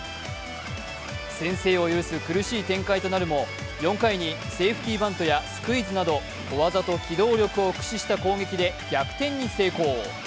先制を許す苦しい展開となるも４回にセーフティーバントやスクイズなど小技と機動力を駆使した攻撃で逆転に成功。